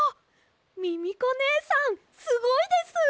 ミミコねえさんすごいです！